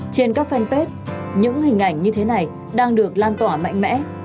trên các fanpage những hình ảnh như thế này đang được lan tỏa mạnh mẽ